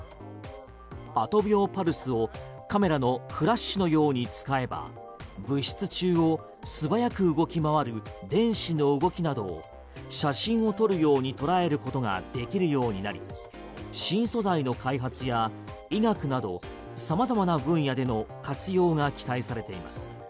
アト秒パルスをカメラのフラッシュのように使えば物質中を素早く動き回る電子の動きなどを写真を撮るように捉えることができるようになり新素材の開発や医学など様々な分野での活用が期待されています。